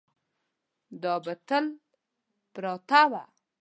دا به تل پرته وه.